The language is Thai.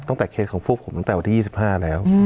ตั้งแต่เคสของผมตั้งแต่วันที่๒๕แล้ว